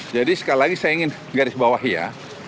jadi sekali lagi saya ingin garis bawah ya